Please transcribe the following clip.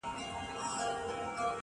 ډېري خزانې لرو الماس لرو په غرونو کي،